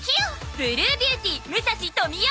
ブルービューティー武蔵登美代！